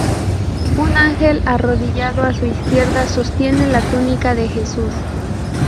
Un ángel arrodillado a su izquierda sostiene la túnica de Jesús.